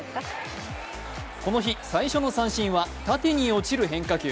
この日、最初の三振は縦に落ちる変化球。